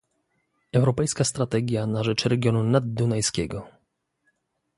Europejska strategia na rzecz regionu naddunajskiego